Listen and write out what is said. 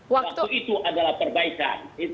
waktu itu adalah perbaikan